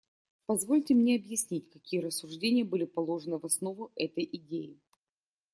Позвольте мне объяснить, какие рассуждения были положены в основу этой идеи.